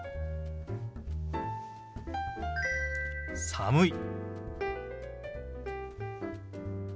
「寒い」。